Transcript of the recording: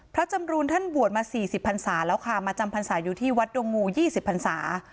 พระจำรุณท่านบวชมาสี่สิบพันษาแล้วค่ะมาจำพันษาอยู่ที่วัดดวงงูยี่สิบพันษา